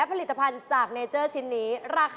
ตอนนี้มันสะสมแล้ว๘๐บาท